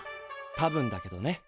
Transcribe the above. たぶんだけどね。